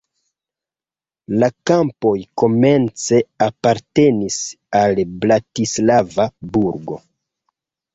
La kampoj komence apartenis al Bratislava burgo.